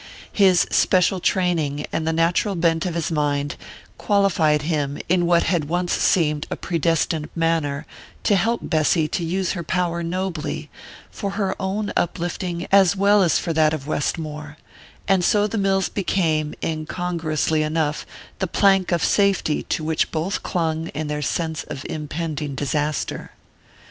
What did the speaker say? His special training, and the natural bent of his mind, qualified him, in what had once seemed a predestined manner, to help Bessy to use her power nobly, for her own uplifting as well as for that of Westmore; and so the mills became, incongruously enough, the plank of safety to which both clung in their sense of impending disaster.